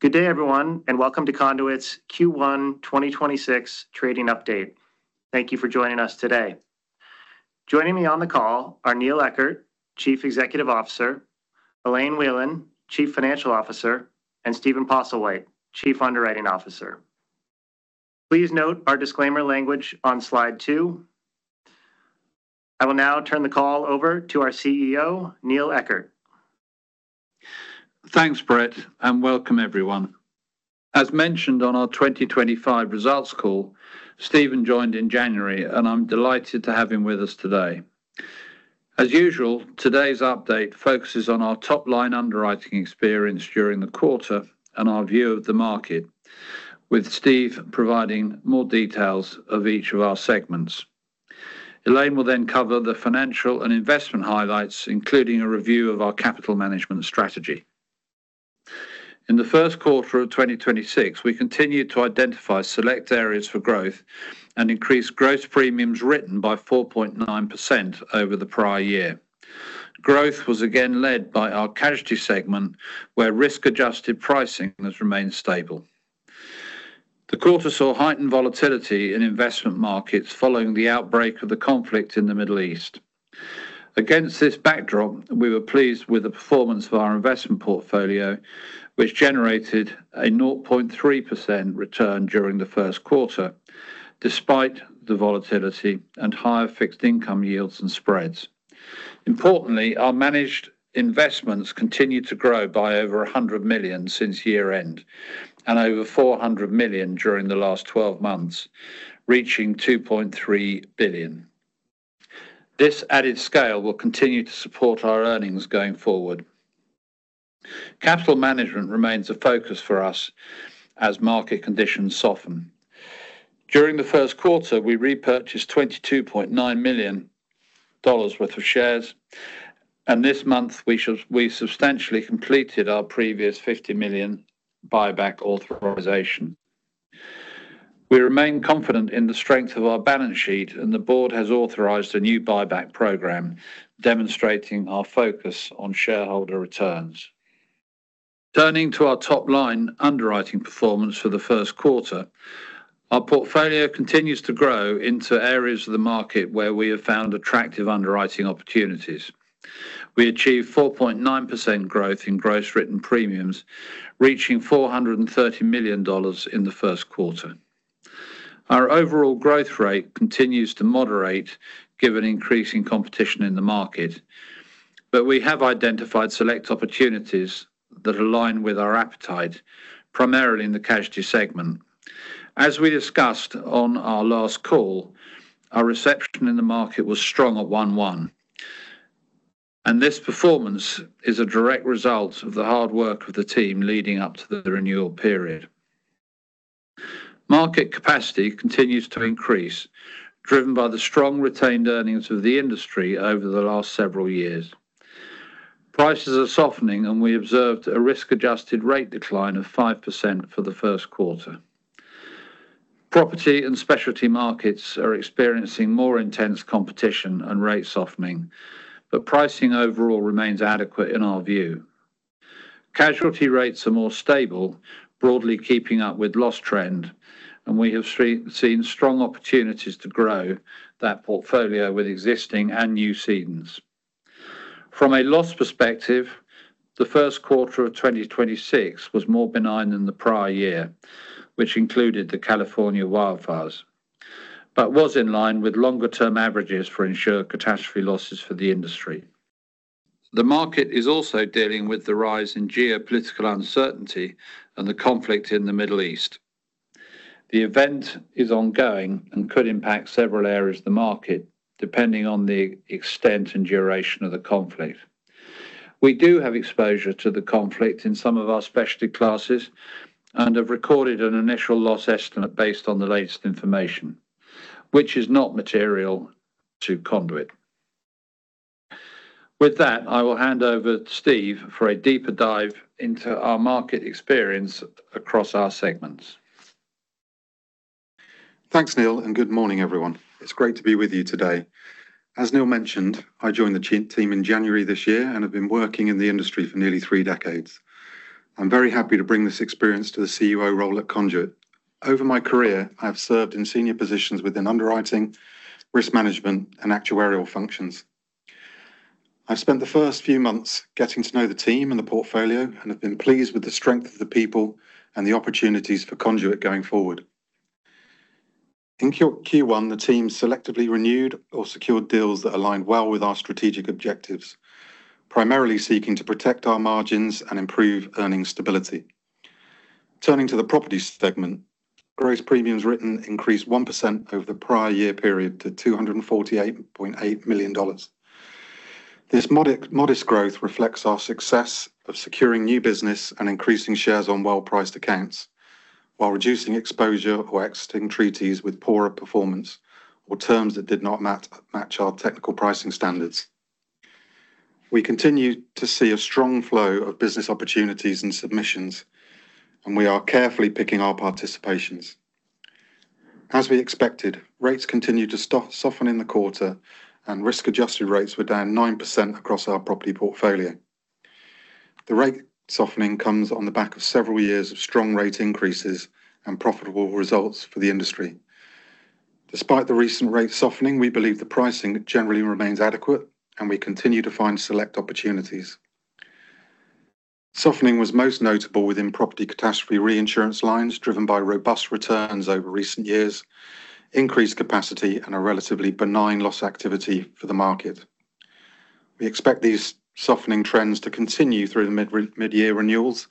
Good day everyone, welcome to Conduit's Q1 2026 trading update. Thank you for joining us today. Joining me on the call are Neil Eckert, Chief Executive Officer, Elaine Whelan, Chief Financial Officer, and Stephen Postlewhite, Chief Underwriting Officer. Please note our disclaimer language on slide two. I will now turn the call over to our CEO, Neil Eckert. Thanks, Brett, and welcome everyone. As mentioned on our 2025 results call, Stephen joined in January, and I'm delighted to have him with us today. As usual, today's update focuses on our top-line underwriting experience during the quarter and our view of the market, with Steve providing more details of each of our segments. Elaine Whelan will then cover the financial and investment highlights, including a review of our capital management strategy. In the first quarter of 2026, we continued to identify select areas for growth and increased gross premiums written by 4.9% over the prior year. Growth was again led by our casualty segment, where risk-adjusted pricing has remained stable. The quarter saw heightened volatility in investment markets following the outbreak of the conflict in the Middle East. Against this backdrop, we were pleased with the performance of our investment portfolio, which generated a 0.3% return during the first quarter, despite the volatility and higher fixed income yields and spreads. Importantly, our managed investments continued to grow by over $100 million since year-end and over $400 million during the last 12 months, reaching $2.3 billion. This added scale will continue to support our earnings going forward. Capital management remains a focus for us as market conditions soften. During the first quarter, we repurchased $22.9 million worth of shares. This month we substantially completed our previous $50 million buyback authorization. We remain confident in the strength of our balance sheet. The board has authorized a new buyback program, demonstrating our focus on shareholder returns. Turning to our top-line underwriting performance for the first quarter, our portfolio continues to grow into areas of the market where we have found attractive underwriting opportunities. We achieved 4.9% growth in gross written premiums, reaching $430 million in the first quarter. Our overall growth rate continues to moderate given increasing competition in the market. We have identified select opportunities that align with our appetite, primarily in the casualty segment. As we discussed on our last call, our reception in the market was strong at 1/1, this performance is a direct result of the hard work of the team leading up to the renewal period. Market capacity continues to increase, driven by the strong retained earnings of the industry over the last several years. Prices are softening, we observed a risk-adjusted rate decline of 5% for the first quarter. Property and specialty markets are experiencing more intense competition and rate softening, but pricing overall remains adequate in our view. Casualty rates are more stable, broadly keeping up with loss trend, and we have seen strong opportunities to grow that portfolio with existing and new cedents. From a loss perspective, the first quarter of 2026 was more benign than the prior year, which included the California wildfires, but was in line with longer-term averages for insured catastrophe losses for the industry. The market is also dealing with the rise in geopolitical uncertainty and the conflict in the Middle East. The event is ongoing and could impact several areas of the market, depending on the extent and duration of the conflict. We do have exposure to the conflict in some of our specialty classes and have recorded an initial loss estimate based on the latest information, which is not material to Conduit. With that, I will hand over to Steve for a deeper dive into our market experience across our segments. Thanks, Neil. Good morning everyone. It's great to be with you today. As Neil mentioned, I joined the team in January this year and have been working in the industry for nearly three decades. I'm very happy to bring this experience to the CEO role at Conduit. Over my career, I have served in senior positions within underwriting, risk management, and actuarial functions. I've spent the first few months getting to know the team and the portfolio and have been pleased with the strength of the people and the opportunities for Conduit going forward. In Q1, the team selectively renewed or secured deals that align well with our strategic objectives, primarily seeking to protect our margins and improve earnings stability. Turning to the property segment, gross premiums written increased 1% over the prior year period to $248.8 million. This modest growth reflects our success of securing new business and increasing shares on well-priced accounts while reducing exposure or exiting treaties with poorer performance or terms that did not match our technical pricing standards. We continue to see a strong flow of business opportunities and submissions, and we are carefully picking our participations. As we expected, rates continued to soften in the quarter and risk-adjusted rates were down 9% across our property portfolio. The rate softening comes on the back of several years of strong rate increases and profitable results for the industry. Despite the recent rate softening, we believe the pricing generally remains adequate, and we continue to find select opportunities. Softening was most notable within property catastrophe reinsurance lines driven by robust returns over recent years, increased capacity and a relatively benign loss activity for the market. We expect these softening trends to continue through the mid-year renewals,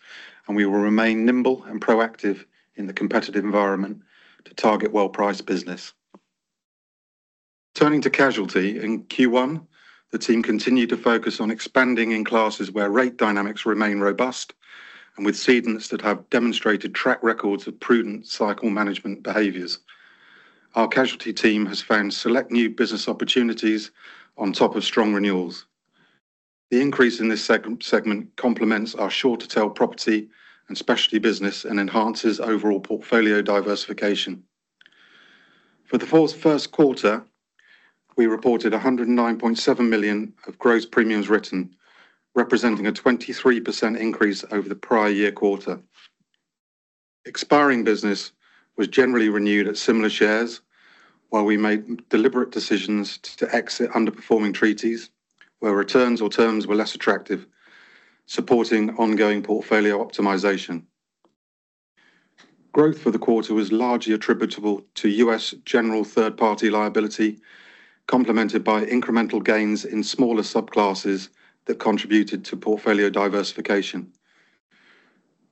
and we will remain nimble and proactive in the competitive environment to target well-priced business. Turning to casualty, in Q1, the team continued to focus on expanding in classes where rate dynamics remain robust and with cedents that have demonstrated track records of prudent cycle management behaviors. Our casualty team has found select new business opportunities on top of strong renewals. The increase in this segment complements our shorter tail property and specialty business and enhances overall portfolio diversification. For the fourth's first quarter, we reported $109.7 million of gross premiums written, representing a 23% increase over the prior year quarter. Expiring business was generally renewed at similar shares, while we made deliberate decisions to exit underperforming treaties where returns or terms were less attractive, supporting ongoing portfolio optimization. Growth for the quarter was largely attributable to U.S. general third party liability, complemented by incremental gains in smaller subclasses that contributed to portfolio diversification.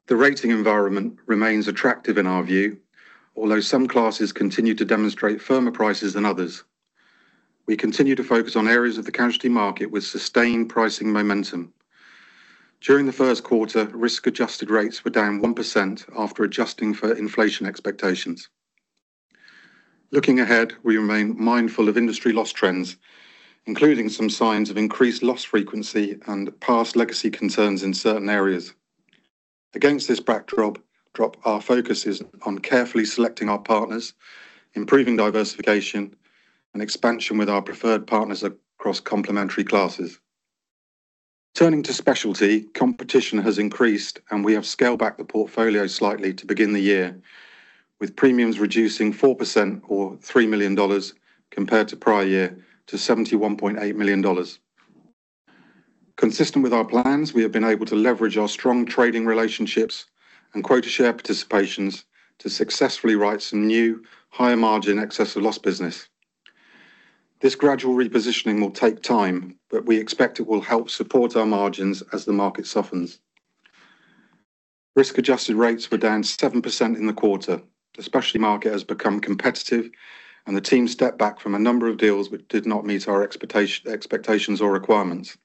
The rating environment remains attractive in our view, although some classes continue to demonstrate firmer prices than others. We continue to focus on areas of the casualty market with sustained pricing momentum. During the first quarter, risk-adjusted rates were down 1% after adjusting for inflation expectations. Looking ahead, we remain mindful of industry loss trends, including some signs of increased loss frequency and past legacy concerns in certain areas. Against this backdrop, our focus is on carefully selecting our partners, improving diversification and expansion with our preferred partners across complementary classes. Turning to specialty, competition has increased, and we have scaled back the portfolio slightly to begin the year, with premiums reducing 4% or $3 million compared to prior year to $71.8 million. Consistent with our plans, we have been able to leverage our strong trading relationships and quota share participations to successfully write some new higher margin excess of loss business. This gradual repositioning will take time, but we expect it will help support our margins as the market softens. Risk-adjusted rates were down 7% in the quarter. The specialty market has become competitive and the team stepped back from a number of deals which did not meet our expectations or requirements.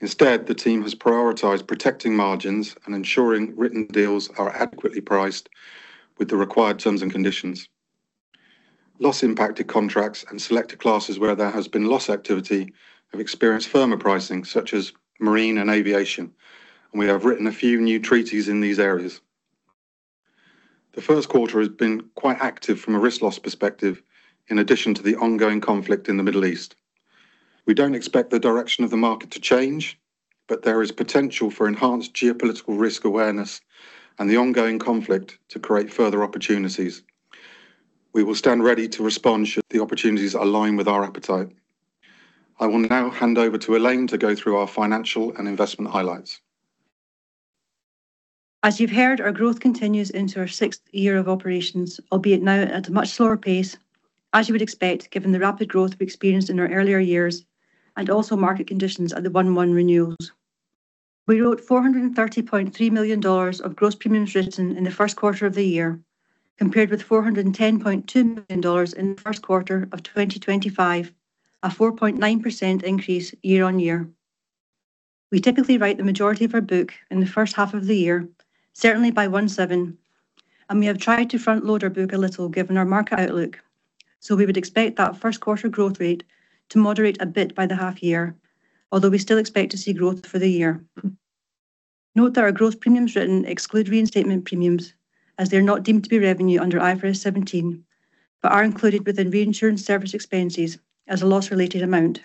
Instead, the team has prioritized protecting margins and ensuring written deals are adequately priced with the required terms and conditions. Loss impacted contracts and selected classes where there has been loss activity have experienced firmer pricing, such as marine and aviation, and we have written a few new treaties in these areas. The first quarter has been quite active from a risk loss perspective in addition to the ongoing conflict in the Middle East. We don't expect the direction of the market to change, but there is potential for enhanced geopolitical risk awareness and the ongoing conflict to create further opportunities. We will stand ready to respond should the opportunities align with our appetite. I will now hand over to Elaine to go through our financial and investment highlights. As you've heard, our growth continues into our sixth year of operations, albeit now at a much slower pace, as you would expect, given the rapid growth we experienced in our earlier years and also market conditions at the 1/1 renewals. We wrote $430.3 million of gross premiums written in the first quarter of the year, compared with $410.2 million in the first quarter of 2025, a 4.9% increase year-on-year. We typically write the majority of our book in the first half of the year, certainly by 1/7. We have tried to front load our book a little given our market outlook. We would expect that first quarter growth rate to moderate a bit by the half year, although we still expect to see growth for the year. Note that our gross premiums written exclude reinstatement premiums as they're not deemed to be revenue under IFRS 17 but are included within reinsurance service expenses as a loss related amount.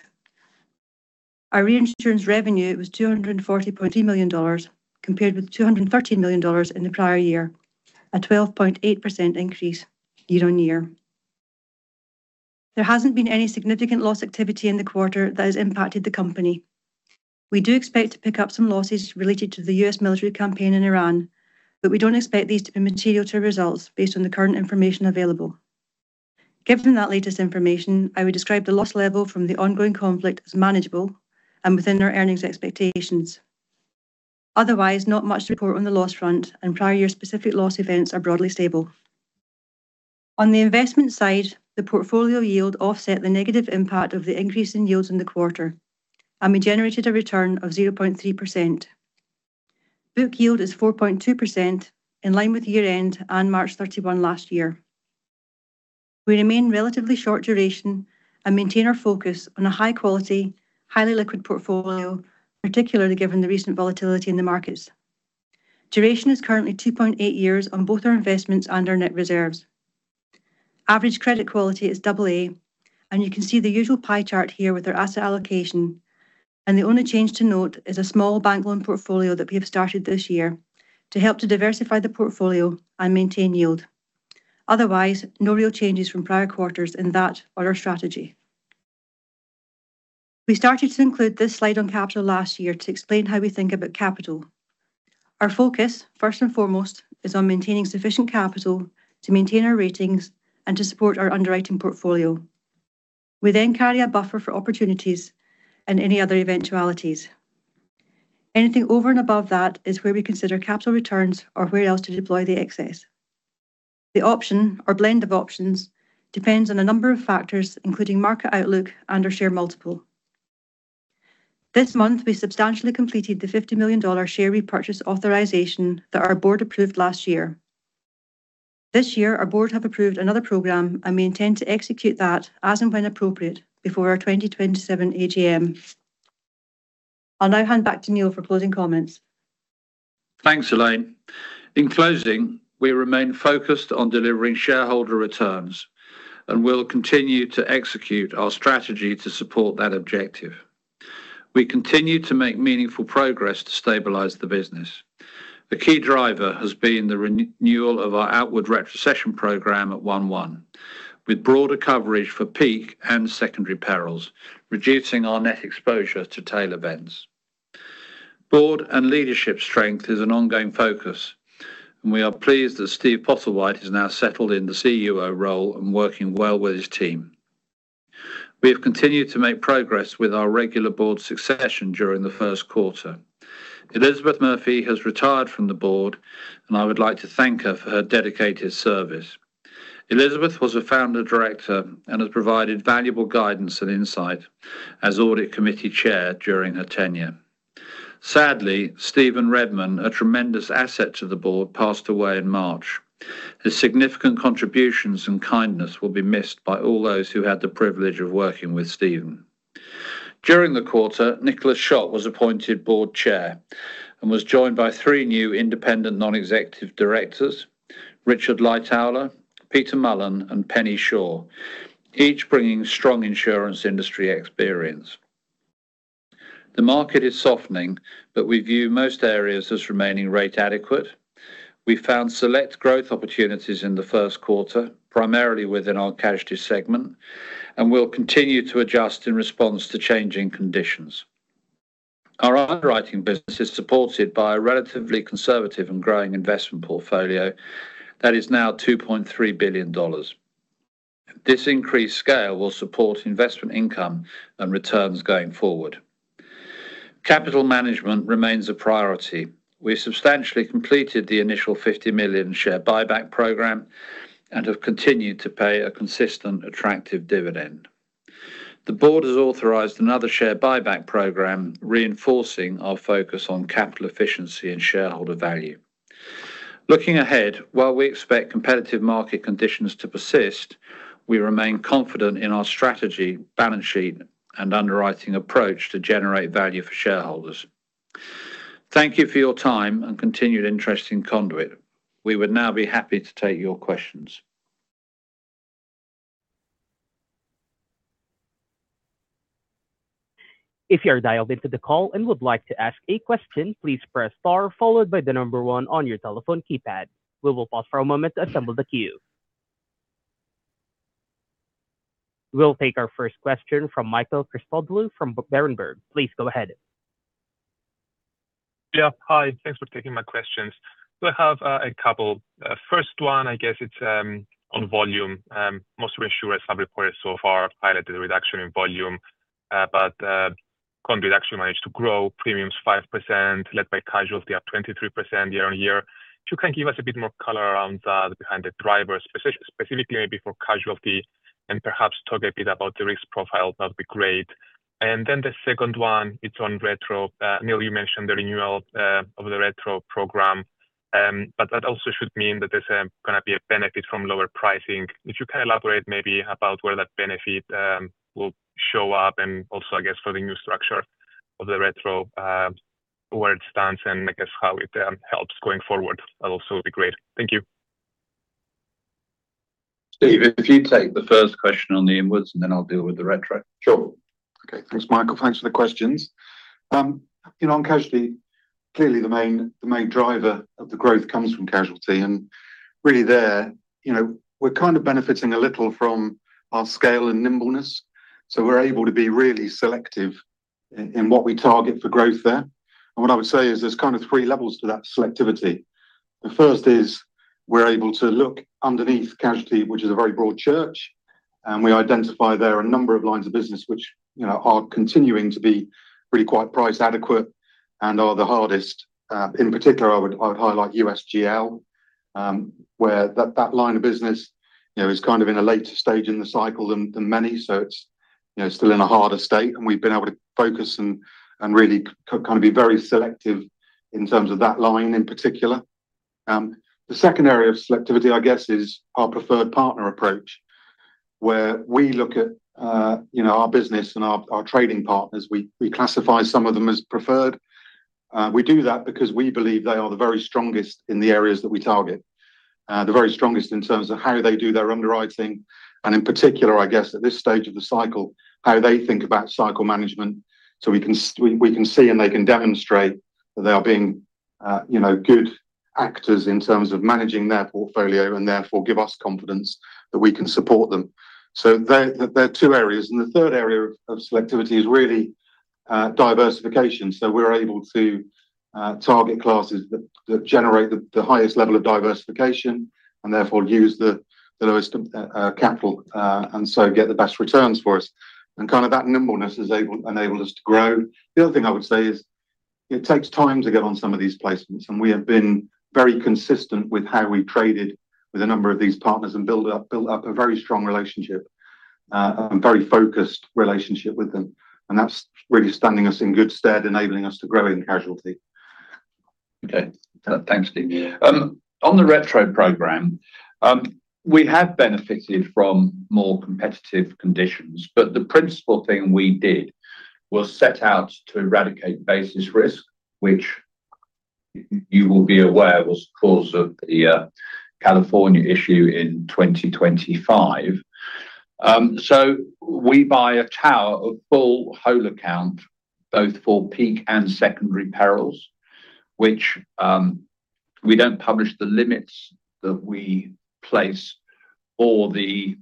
Our reinsurance revenue was $240.3 million compared with $213 million in the prior year, a 12.8% increase year-on-year. There hasn't been any significant loss activity in the quarter that has impacted the company. We do expect to pick up some losses related to the U.S. military campaign in Iran, we don't expect these to be material to results based on the current information available. Given that latest information, I would describe the loss level from the ongoing conflict as manageable and within our earnings expectations. Otherwise, not much to report on the loss front and prior year specific loss events are broadly stable. On the investment side, the portfolio yield offset the negative impact of the increase in yields in the quarter, and we generated a return of 0.3%. Book yield is 4.2% in line with year-end and March 31 last year. We remain relatively short duration and maintain our focus on a high quality, highly liquid portfolio, particularly given the recent volatility in the markets. Duration is currently 2.8 years on both our investments and our net reserves. Average credit quality is double-A, and you can see the usual pie chart here with our asset allocation. The only change to note is a small bank loan portfolio that we have started this year to help to diversify the portfolio and maintain yield. Otherwise, no real changes from prior quarters in that or our strategy. We started to include this slide on capital last year to explain how we think about capital. Our focus, first and foremost, is on maintaining sufficient capital to maintain our ratings and to support our underwriting portfolio. We then carry a buffer for opportunities and any other eventualities. Anything over and above that is where we consider capital returns or where else to deploy the excess. The option or blend of options depends on a number of factors, including market outlook and/or share multiple. This month, we substantially completed the $50 million share repurchase authorization that our board approved last year. This year, our board have approved another program, and we intend to execute that as and when appropriate before our 2027 AGM. I'll now hand back to Neil for closing comments. Thanks, Elaine. In closing, we remain focused on delivering shareholder returns and will continue to execute our strategy to support that objective. We continue to make meaningful progress to stabilize the business. The key driver has been the renewal of our outward retrocession program at 1/1, with broader coverage for peak and secondary perils, reducing our net exposure to tail events. Board and leadership strength is an ongoing focus, and we are pleased that Steve Postlewhite is now settled in the CUO role and working well with his team. We have continued to make progress with our regular board succession during the first quarter. Elizabeth Murphy has retired from the board, and I would like to thank her for her dedicated service. Elizabeth was a founder director and has provided valuable guidance and insight as Audit Committee Chair during her tenure. Sadly, Stephen Redmond, a tremendous asset to the board, passed away in March. His significant contributions and kindness will be missed by all those who had the privilege of working with Stephen. During the quarter, Nicholas Shott was appointed board chair and was joined by three new independent non-executive directors, Richard Lightowler, Peter Mullen, and Penny Shaw, each bringing strong insurance industry experience. The market is softening, but we view most areas as remaining rate adequate. We found select growth opportunities in the first quarter, primarily within our casualty segment and will continue to adjust in response to changing conditions. Our underwriting business is supported by a relatively conservative and growing investment portfolio that is now $2.3 billion. This increased scale will support investment income and returns going forward. Capital management remains a priority. We substantially completed the initial $50 million share buyback program and have continued to pay a consistent, attractive dividend. The board has authorized another share buyback program, reinforcing our focus on capital efficiency and shareholder value. Looking ahead, while we expect competitive market conditions to persist, we remain confident in our strategy, balance sheet, and underwriting approach to generate value for shareholders. Thank you for your time and continued interest in Conduit. We would now be happy to take your questions. If you are dialed into the call and would like to ask a question, please press star followed by the number one on your telephone keypad. We will pause for a moment to assemble the queue. We'll take our first question from Michael Christodoulou from Berenberg. Please go ahead. Yeah. Hi. Thanks for taking my questions. I have a couple. First one, I guess it's on volume. Most reinsurers have reported so far highlighted the reduction in volume, but Conduit actually managed to grow premiums 5%, led by casualty up 23% year on year. If you can give us a bit more color around that, behind the drivers, specifically maybe for casualty, and perhaps talk a bit about the risk profile, that would be great. The second one, it's on retro. Neil, you mentioned the renewal of the retro program. That also should mean that there's gonna be a benefit from lower pricing. If you can elaborate maybe about where that benefit will show up and also, I guess, for the new structure of the retro, where it stands and I guess how it helps going forward, that also would be great. Thank you. Steve, if you'd take the first question on the inwards, and then I'll deal with the retro. Sure. Okay. Thanks, Michael. Thanks for the questions. You know, on casualty, clearly the main driver of the growth comes from casualty. Really there, you know, we're kind of benefiting a little from our scale and nimbleness, so we're able to be really selective in what we target for growth there. What I would say is there's kind of three levels to that selectivity. The first is we're able to look underneath casualty, which is a very broad church, and we identify there are a number of lines of business which, you know, are continuing to be really quite price adequate and are the hardest. In particular, I would highlight USGL, where that line of business, you know, is kind of in a later stage in the cycle than many. It's, you know, still in a harder state, and we've been able to focus and really be very selective in terms of that line in particular. The second area of selectivity, I guess, is our preferred partner approach where we look at, you know, our business and our trading partners. We classify some of them as preferred. We do that because we believe they are the very strongest in the areas that we target. The very strongest in terms of how they do their underwriting, and in particular, I guess, at this stage of the cycle, how they think about cycle management so we can see and they can demonstrate that they are being, you know, good actors in terms of managing their portfolio and therefore give us confidence that we can support them. There are two areas and the third area of selectivity is really diversification. We're able to target classes that generate the highest level of diversification and therefore use the lowest capital and so get the best returns for us and kind of that nimbleness has enabled us to grow. The other thing I would say is it takes time to get on some of these placements and we have been very consistent with how we've traded with a number of these partners and built up a very strong relationship, very focused relationship with them and that's really standing us in good stead enabling us to grow in casualty. Okay. Thanks, Steve. Yeah. On the retro program, we have benefited from more competitive conditions, but the principal thing we did was set out to eradicate basis risk, which you will be aware was the cause of the California issue in 2025. We buy a tower, a full whole account, both for peak and secondary perils, which we don't publish the limits that we place or the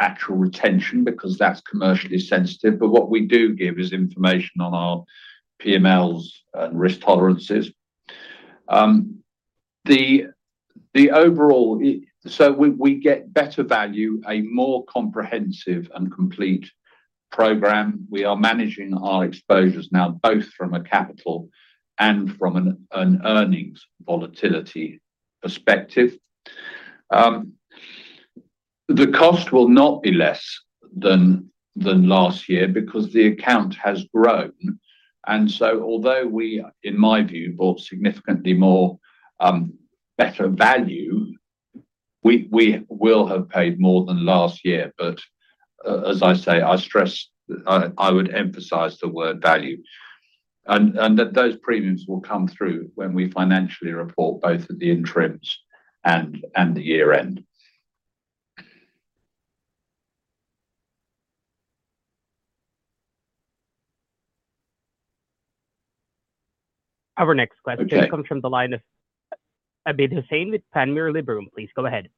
actual retention because that's commercially sensitive. What we do give is information on our PMLs and risk tolerances. The overall we get better value, a more comprehensive and complete program. We are managing our exposures now both from a capital and from an earnings volatility perspective. The cost will not be less than last year because the account has grown. Although we, in my view, bought significantly more, better value, we will have paid more than last year. As I say, I stress, I would emphasize the word value. That those premiums will come through when we financially report both at the interims and the year end. Our next question. Okay. comes from the line of Abid Hussain with Panmure Gordon. Please go ahead.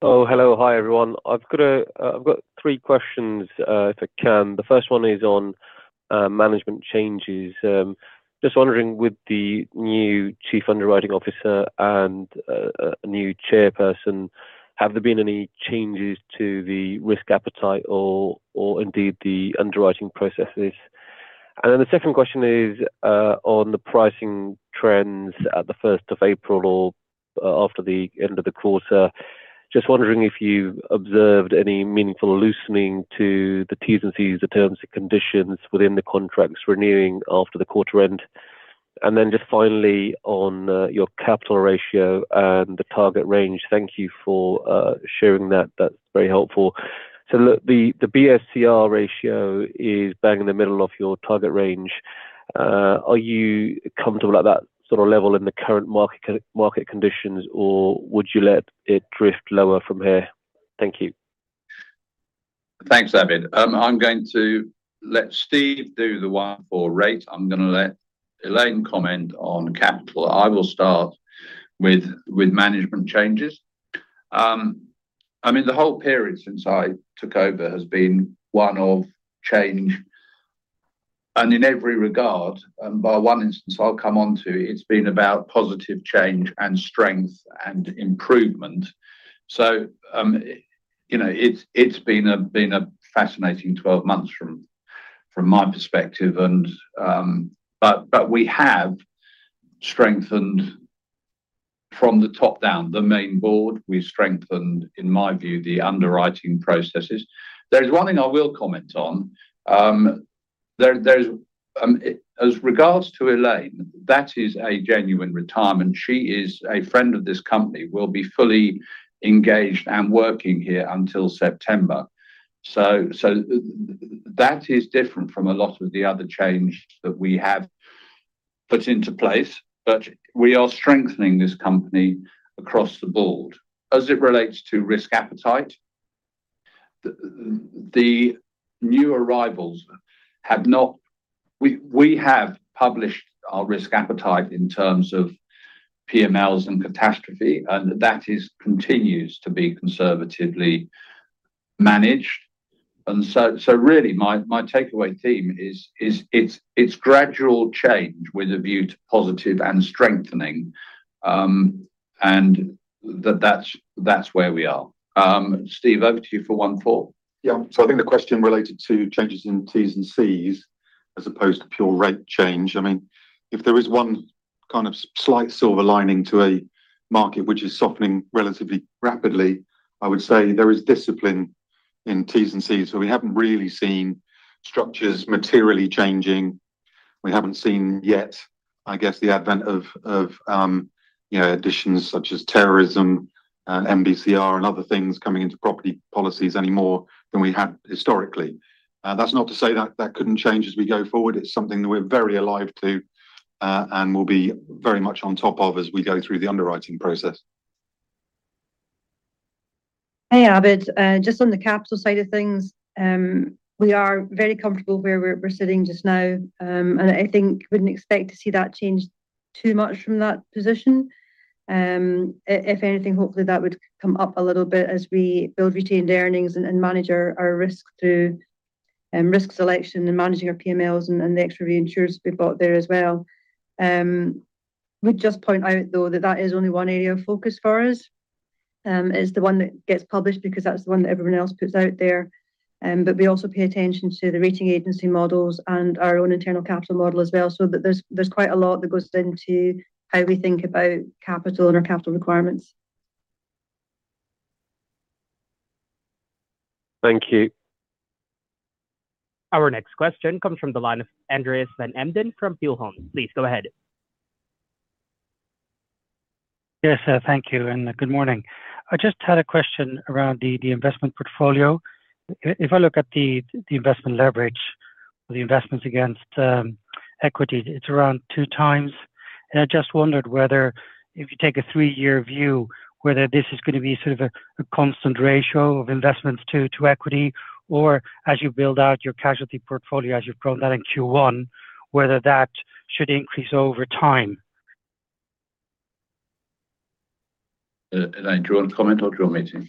Hello. Hi, everyone. I've got three questions if I can. The first one is on management changes. Just wondering with the new Chief Underwriting Officer and a new chairperson, have there been any changes to the risk appetite or indeed the underwriting processes? The second question is on the pricing trends at the 1st of April or after the end of the quarter. Just wondering if you observed any meaningful loosening to the T's and C's, the terms and conditions within the contracts renewing after the quarter end. Just finally on your capital ratio and the target range, thank you for sharing that. That's very helpful. The BSCR ratio is bang in the middle of your target range. Are you comfortable at that sort of level in the current market conditions, or would you let it drift lower from here? Thank you. Thanks, Abid. I'm going to let Steve do the one for rate. I'm going to let Elaine comment on capital. I will start with management changes. I mean, the whole period since I took over has been one of change and in every regard, and by one instance I'll come onto, it's been about positive change and strength and improvement. You know, it's been a fascinating 12 months from my perspective and we have strengthened from the top down, the main board. We've strengthened, in my view, the underwriting processes. There is one thing I will comment on. As regards to Elaine, that is a genuine retirement. She is a friend of this company, will be fully engaged and working here until September. That is different from a lot of the other change that we have put into place, but we are strengthening this company across the board. As it relates to risk appetite, the new arrivals. We have published our risk appetite in terms of PMLs and catastrophe, that is continues to be conservatively managed. Really my takeaway theme is it's gradual change with a view to positive and strengthening, that's where we are. Steve, over to you for 1/4. Yeah. I think the question related to changes in Ts&Cs as opposed to pure rate change. I mean, if there is one kind of slight silver lining to a market which is softening relatively rapidly, I would say there is discipline. In Ts&Cs, we haven't really seen structures materially changing. We haven't seen yet, I guess, the advent of, you know, additions such as terrorism and NBCR and other things coming into property policies any more than we had historically. That's not to say that that couldn't change as we go forward. It's something that we're very alive to, and will be very much on top of as we go through the underwriting process. Hey, Abid. Just on the capital side of things, we are very comfortable where we're sitting just now. I think wouldn't expect to see that change too much from that position. If anything, hopefully that would come up a little bit as we build retained earnings and manage our risk through risk selection and managing our PMLs and the extra reinsurers we've got there as well. Would just point out though that that is only one area of focus for us. It's the one that gets published because that's the one that everyone else puts out there. We also pay attention to the rating agency models and our own internal capital model as well, so that there's quite a lot that goes into how we think about capital and our capital requirements. Thank you. Our next question comes from the line of Andreas van Embden from Peel Hunt. Please go ahead. Yes, thank you, and good morning. I just had a question around the investment portfolio. If I look at the investment leverage, the investments against equity, it's around two times. I just wondered whether, if you take a three-year view, whether this is gonna be sort of a constant ratio of investments to equity, or as you build out your casualty portfolio, as you've shown that in Q1, whether that should increase over time. Elaine, do you want to comment or do you want me to?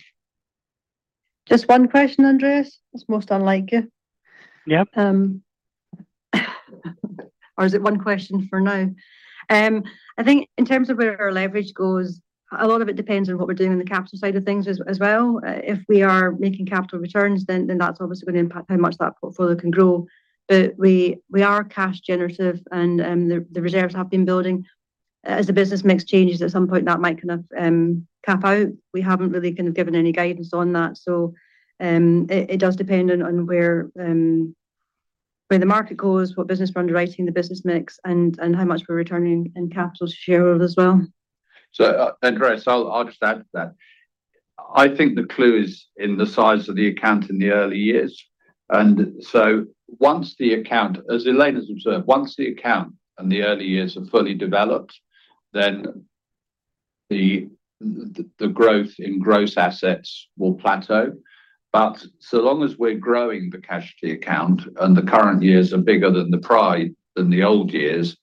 Just one question, Andreas? That's most unlike you. Yeah. Or is it one question for now? I think in terms of where our leverage goes, a lot of it depends on what we're doing on the capital side of things as well. If we are making capital returns, then that's obviously going to impact how much that portfolio can grow. We are cash generative and the reserves have been building. As the business mix changes, at some point that might kind of cap out. We haven't really kind of given any guidance on that. It does depend on where the market goes, what business we're underwriting, the business mix, and how much we're returning in capital to shareholders as well. Andreas, I'll just add to that. I think the clue is in the size of the account in the early years. Once the account, as Elaine has observed, once the account and the early years are fully developed, then the growth in gross assets will plateau. So long as we're growing the casualty account and the current years are bigger than the prior, than the old years,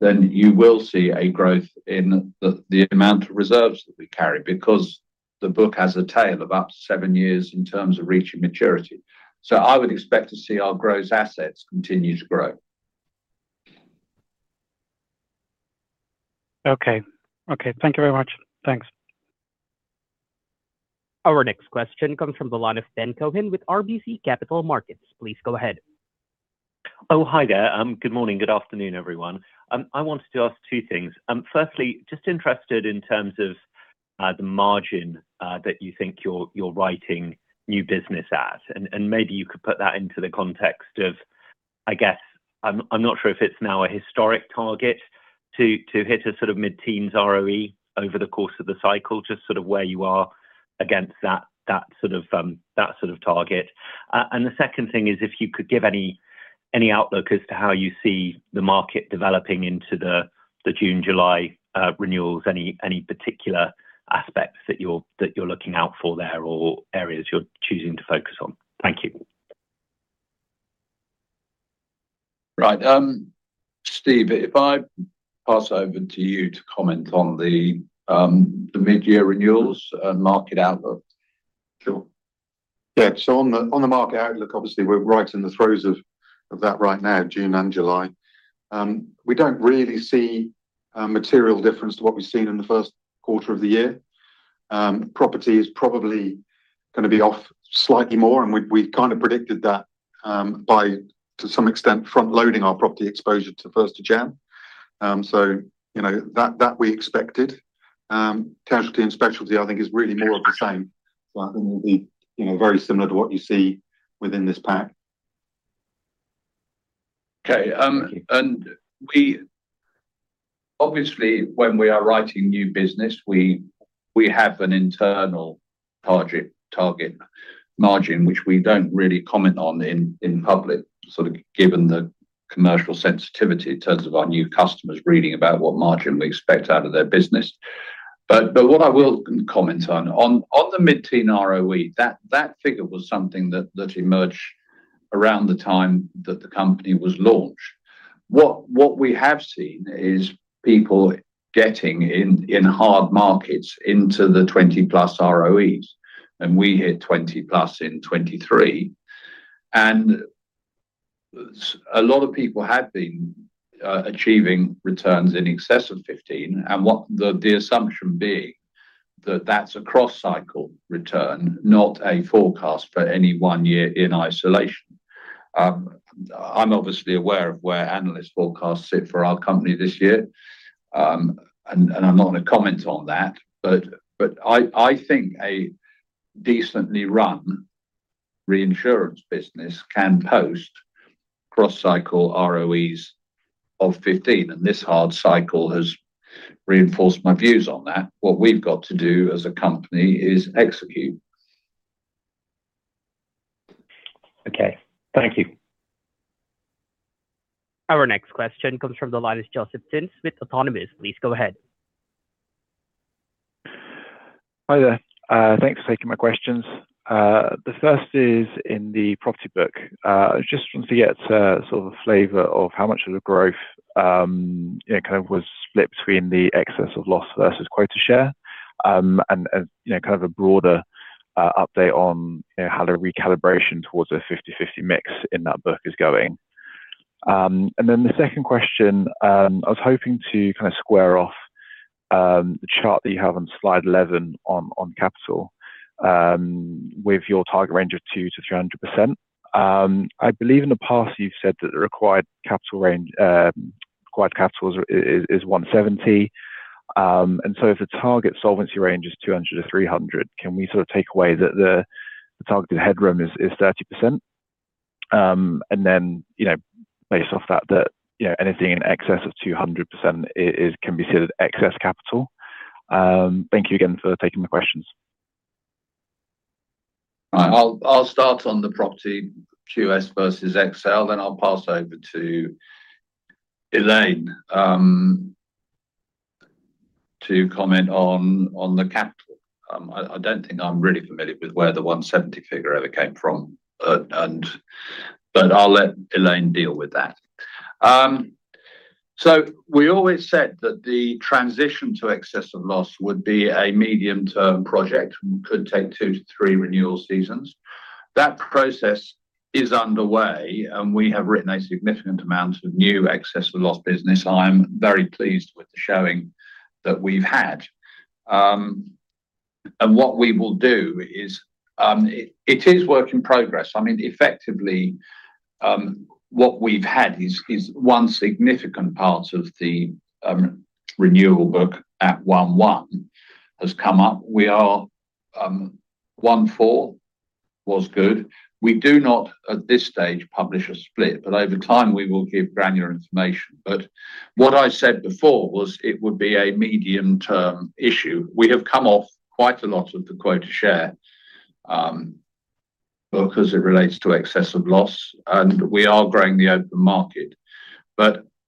then you will see a growth in the amount of reserves that we carry because the book has a tail of up to seven years in terms of reaching maturity. I would expect to see our gross assets continue to grow. Okay. Okay, thank you very much. Thanks. Our next question comes from the line of Ben Cohen with RBC Capital Markets. Please go ahead. Hi there. Good morning, good afternoon, everyone. I wanted to ask two things. Firstly, just interested in terms of the margin that you think you're writing new business at. Maybe you could put that into the context of, I guess, I'm not sure if it's now a historic target to hit a sort of mid-teens ROE over the course of the cycle, just sort of where you are against that sort of target. The second thing is if you could give any outlook as to how you see the market developing into the June, July renewals. Any particular aspects that you're looking out for there or areas you're choosing to focus on. Thank you. Right. Steve, if I pass over to you to comment on the mid-year renewals and market outlook. Sure. Yeah. On the market outlook, obviously we're right in the throes of that right now, June and July. We don't really see a material difference to what we've seen in the first quarter of the year. Property is probably gonna be off slightly more, and we kind of predicted that, to some extent, front loading our property exposure to 1st of January. You know, that we expected. Casualty and specialty I think is really more of the same. I think we'll be, you know, very similar to what you see within this pack. Okay. We obviously, when we are writing new business, we have an internal target margin, which we don't really comment on in public, sort of given the commercial sensitivity in terms of our new customers reading about what margin we expect out of their business. What I will comment on the mid-teen ROE, that figure was something that emerged around the time that the company was launched. What we have seen is people getting in hard markets into the 20+ ROEs, and we hit 20+ in 2023. A lot of people had been achieving returns in excess of 15, and what the assumption being that that's a cross cycle return, not a forecast for any one year in isolation. I'm obviously aware of where analyst forecasts sit for our company this year, and I'm not gonna comment on that. I think a decently run reinsurance business can post cross-cycle ROEs of 15, and this hard cycle has reinforced my views on that. What we've got to do as a company is execute. Okay. Thank you. Our next question comes from the line of Joseph Theuns with Autonomous. Please go ahead. Hi there. Thanks for taking my questions. The first is in the property book. I just want to get a sort of a flavor of how much of the growth, you know, kind of was split between the excess of loss versus quota share. You know, kind of a broader update on, you know, how the recalibration towards a 50/50 mix in that book is going. Then the second question, I was hoping to kind of square off the chart that you have on slide 11 on capital with your target range of 200%-300%. I believe in the past you've said that the required capital range, required capital is 170. If the target solvency range is 200-300, can we sort of take away that the targeted headroom is 30%? You know, based off that, you know, anything in excess of 200% can be considered excess capital. Thank you again for taking the questions. I'll start on the property QS versus XL, then I'll pass over to Elaine to comment on the capital. I don't think I'm really familiar with where the 170 figure ever came from. I'll let Elaine deal with that. We always said that the transition to excess of loss would be a medium-term project and could take two to three renewal seasons. That process is underway, and we have written a significant amount of new excess of loss business. I'm very pleased with the showing that we've had. What we will do is it is work in progress. I mean, effectively, what we've had is one significant part of the renewal book at 1/1 renewals has come up. We are, 1/4 was good. We do not at this stage publish a split, but over time we will give granular information. What I said before was it would be a medium-term issue. We have come off quite a lot of the quota share because it relates to excess of loss, and we are growing the open market.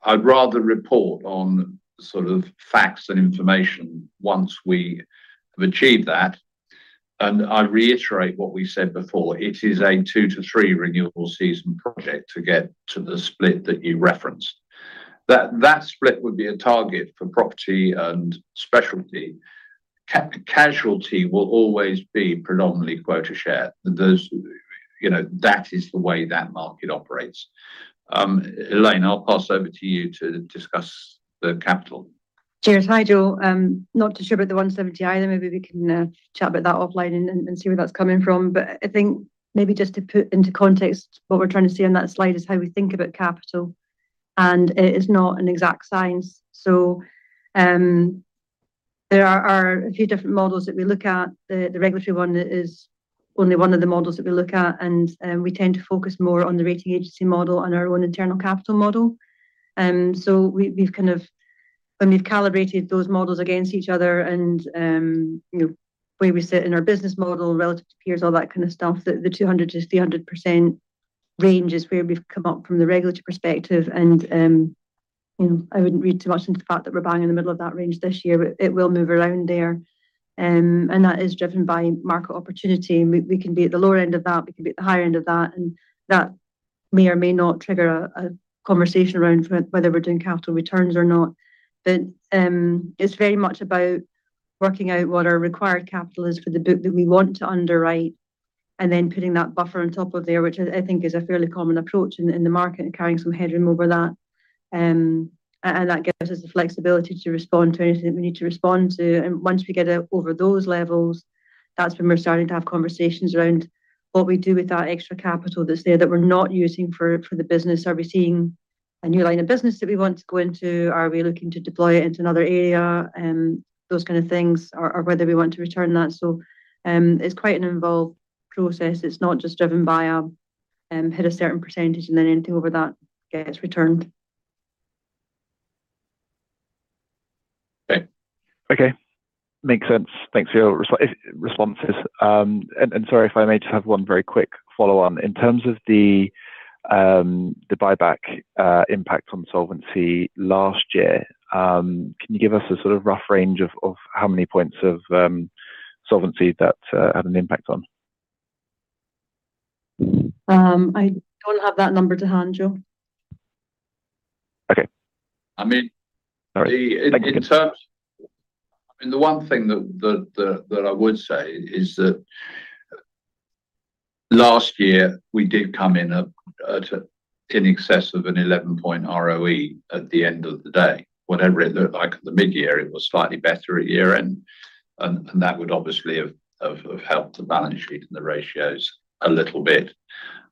I'd rather report on sort of facts and information once we have achieved that. I reiterate what we said before, it is a two to three renewable season project to get to the split that you referenced. That split would be a target for property and specialty. Casualty will always be predominantly quota share. Those, you know, that is the way that market operates. Elaine, I'll pass over to you to discuss the capital. Cheers. Hi, Joe. Not too sure about the 170 either. Maybe we can chat about that offline and see where that's coming from. I think maybe just to put into context what we're trying to see on that slide is how we think about capital, and it is not an exact science. There are a few different models that we look at. The regulatory one is only one of the models that we look at, and we tend to focus more on the rating agency model and our own internal capital model. When we've calibrated those models against each other and, you know, where we sit in our business model relative to peers, all that kind of stuff, the 200%-300% range is where we've come up from the regulatory perspective. You know, I wouldn't read too much into the fact that we're bang in the middle of that range this year, but it will move around there. That is driven by market opportunity. We can be at the lower end of that, we can be at the higher end of that, and that may or may not trigger a conversation around whether we're doing capital returns or not. It's very much about working out what our required capital is for the book that we want to underwrite, and then putting that buffer on top of there, which I think is a fairly common approach in the market and carrying some headroom over that. And that gives us the flexibility to respond to anything that we need to respond to. Once we get out over those levels, that's when we're starting to have conversations around what we do with that extra capital that's there that we're not using for the business. Are we seeing a new line of business that we want to go into? Are we looking to deploy it into another area? Those kind of things or whether we want to return that. It's quite an involved process. It's not just driven by, hit a certain percentage and then anything over that gets returned. Okay. Okay. Makes sense. Thanks for your responses. Sorry if I may just have one very quick follow-on. In terms of the buyback impact on solvency last year, can you give us a sort of rough range of how many points of solvency that had an impact on? I don't have that number to hand, Joe. Okay. I mean- Sorry. In terms— I mean, the one thing that I would say is that last year we did come in at a, in excess of an 11-point ROE at the end of the day. Whatever it looked like at the midyear, it was slightly better a year in, and that would obviously have helped the balance sheet and the ratios a little bit.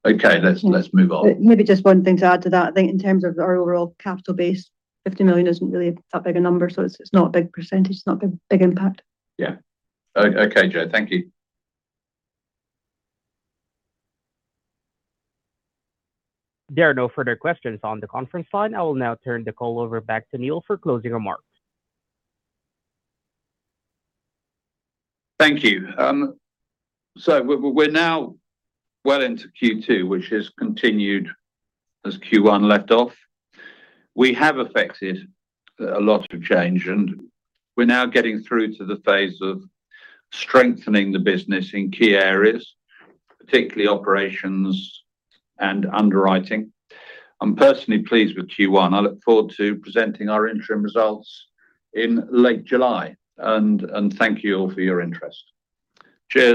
Okay. Let's move on. Maybe just one thing to add to that. I think in terms of our overall capital base, $50 million isn't really that big a number, so it's not a big percentage, it's not a big impact. Yeah. Okay, Joe. Thank you. There are no further questions on the conference line. I will now turn the call over back to Neil for closing remarks. Thank you. We're now well into Q2, which has continued as Q1 left off. We have effected a lot of change, and we're now getting through to the phase of strengthening the business in key areas, particularly operations and underwriting. I'm personally pleased with Q1. I look forward to presenting our interim results in late July. Thank you all for your interest. Cheers.